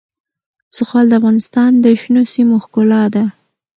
زغال د افغانستان د شنو سیمو ښکلا ده.